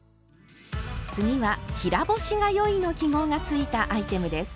次は「平干しがよい」の記号がついたアイテムです。